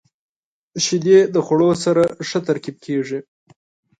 • شیدې د خوړو سره ښه ترکیب کیږي.